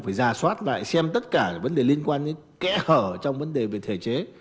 phải giả soát lại xem tất cả vấn đề liên quan đến kẽ hở trong vấn đề về thể chế